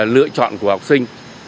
lựa chọn của học sinh